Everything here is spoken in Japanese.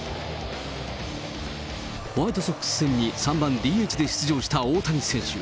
ホワイトソックス戦に３番ＤＨで出場した大谷選手。